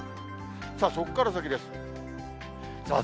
そこから先です。